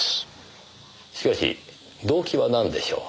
しかし動機はなんでしょう？